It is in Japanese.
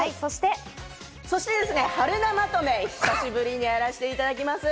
そしてＨＡＲＵＮＡまとめ、久しぶりにやらせていただきます。